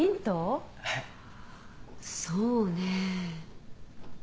そうねえ。